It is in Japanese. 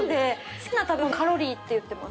好きな食べ物カロリーって言ってます。